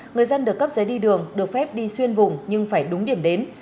người dân được cấp giấy đi đường được phép đi xuyên vùng nhưng phải đúng điểm đến